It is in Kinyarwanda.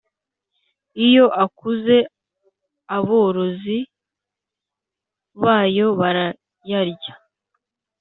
iyo akuze aborozi bayo barayarya